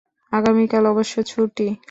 আগামীকাল অবশ্য ছুটি।